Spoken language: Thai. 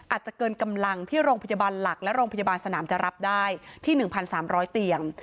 อาจจะเกินกำลังที่โรงพยาบาลหลักและโรงพยาบาลสนามจะรับได้ที่๑๓๐๐เตียง